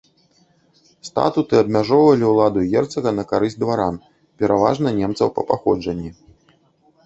Статуты абмяжоўвалі ўладу герцага на карысць дваран, пераважна немцаў па паходжанні.